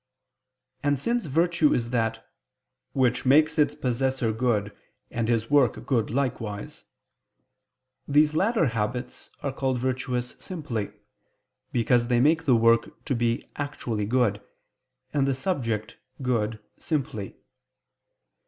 And since virtue is that "which makes its possessor good, and his work good likewise," these latter habits are called virtuous simply: because they make the work to be actually good, and the subject good simply.